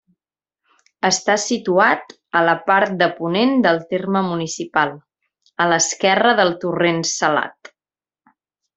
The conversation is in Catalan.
Està situat a la part de ponent del terme municipal, a l'esquerra del Torrent Salat.